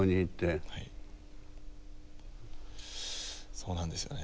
そうなんですよね。